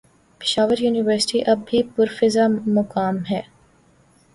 Peshawar university اب بھی پرفضامقام ہے